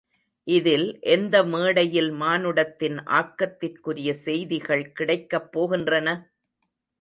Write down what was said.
இதில் எந்த மேடையில் மானுடத்தின் ஆக்கத்திற்குரிய செய்திகள் கிடைக்கப் போகின்றன?